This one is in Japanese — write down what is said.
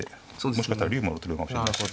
もしかしたら竜も取れるかもしれないし。